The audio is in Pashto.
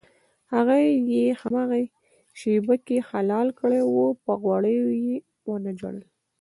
هغه یې هماغې شېبه کې حلال کړی و په غوړیو یې ونه ژړل.